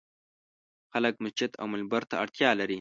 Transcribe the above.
خلک مسجد او منبر ته اړتیا لري.